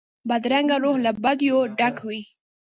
بدرنګه روح له بدیو ډک وي